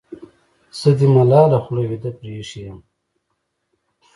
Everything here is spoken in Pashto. زه دې ملاله خوله وېده پرې اېښې یمه.